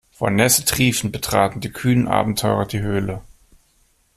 Vor Nässe triefend betraten die kühnen Abenteurer die Höhle.